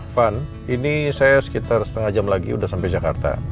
van ini saya sekitar setengah jam lagi sudah sampai jakarta